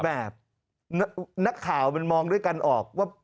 นักข่าวมันมองด้วยกันออกว่า